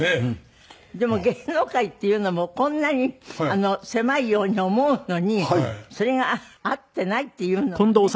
でも芸能界っていうのもこんなに狭いように思うのにそれが会っていないっていうのがね。